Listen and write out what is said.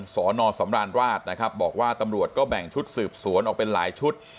สอนอสำราญราชนะครับบอกว่าตำรวจก็แบ่งชุดสืบสวนออกเป็นหลายชุด